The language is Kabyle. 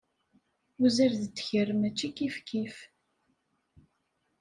Uzzal d ddkir mačči kifkif.